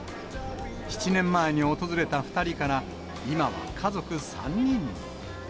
７年前に訪れた２人から、今は家族３人に。